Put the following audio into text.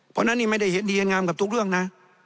เพราะฉะนั้นนี่ไม่ได้ดีเอนงามกับทุกเรื่องนะ